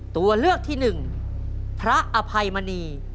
ตัวเลือกที่หนึ่งพระอภัยมณี